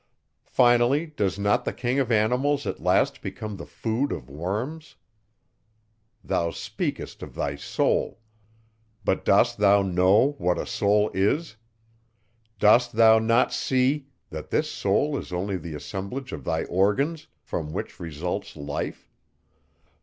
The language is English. Finally, does not the king of animals at last become the food of worms? Thou speakest of thy soul! But dost thou know what a soul is? Dost thou not see, that this soul is only the assemblage of thy organs, from which results life?